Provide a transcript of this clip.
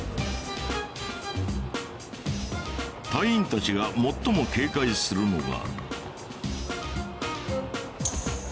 隊員たちが最も警戒するのが。